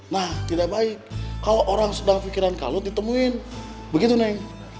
nah tidak baik kalau orang sedang pikiran kalut ditemuin begitu neng